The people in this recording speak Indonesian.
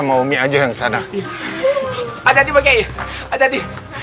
mau aja yang sana ada di pakai aja di